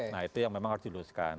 nah itu yang memang harus diluruskan